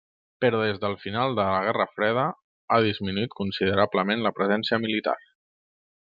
Però des del final de la Guerra Freda, ha disminuït considerablement la presència militar.